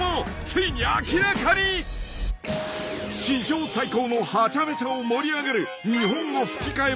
［史上最高のはちゃめちゃを盛り上げる］